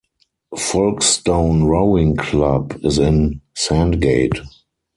Folkestone Rowing Club is in Sandgate.